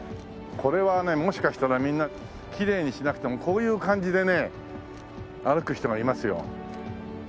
これはねもしかしたらみんなきれいにしなくてもこういう感じでね歩く人がいますよ。